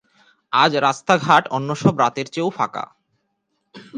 আজ রাস্তাঘাট অন্যসব রাতের চেয়েও ফাঁকা।